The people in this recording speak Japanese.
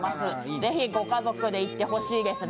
ぜひご家族で行ってほしいですね。